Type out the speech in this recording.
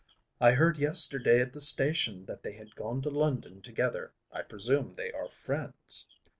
"I heard yesterday at the station that they had gone to London together. I presume they are friends."